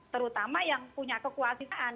terutama yang punya kekuasaan